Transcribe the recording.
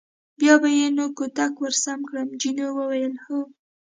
بیا به یې نو کوتک ور سم کړ، جینو وویل: هو.